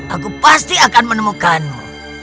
aku pasti akan menemukanmu